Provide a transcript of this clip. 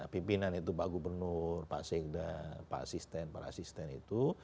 pimpinan itu pak gubernur pak sekda pak asisten para asisten itu